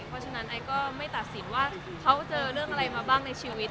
เพราะฉะนั้นไอซ์ก็ไม่ตัดสินว่าเขาเจอเรื่องอะไรมาบ้างในชีวิต